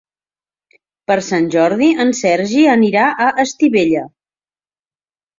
Per Sant Jordi en Sergi anirà a Estivella.